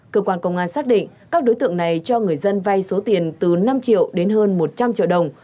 cơ quan công an xác định các đối tượng này cho người dân vay số tiền từ năm triệu đến hơn một trăm linh triệu đồng